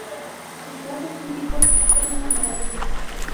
Sus platos típicos son una maravilla.